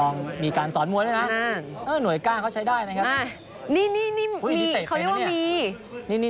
นี่เขาเรียกว่ามี